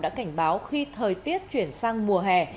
đã cảnh báo khi thời tiết chuyển sang mùa hè